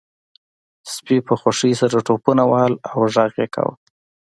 سپي په خوښۍ سره ټوپونه وهل او غږ یې کاوه